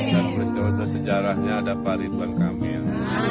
dan peristiwa dan sejarahnya ada pak ridwan kamil